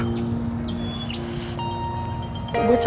pertanyaan pertama apa kamu mau mencoba